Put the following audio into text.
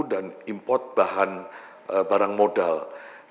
dan import bahan barang modern